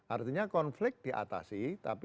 artinya konflik diatasi